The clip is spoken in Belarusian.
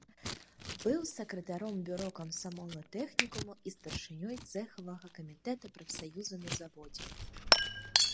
Быў сакратаром бюро камсамола тэхнікума і старшынёй цэхавага камітэта прафсаюза на заводзе.